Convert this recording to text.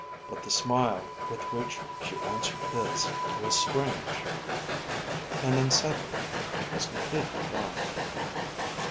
But the smile with which she answered his was strange, and then suddenly it was completely gone.